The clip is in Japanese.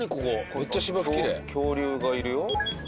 めっちゃ芝生キレイ恐竜がいるようわ